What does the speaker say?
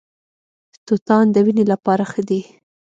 توتان د وینې لپاره ښه دي.